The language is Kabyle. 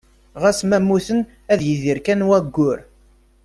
Ɣas ma mmuten, ad yidir kan wayyur.